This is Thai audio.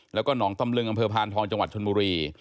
แล้วก็หนองตำลึงอำเภอพานทองจังหวัดชนบุรี